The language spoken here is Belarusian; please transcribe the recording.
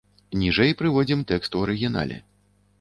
Ніжэй прыводзім тэкст у арыгінале.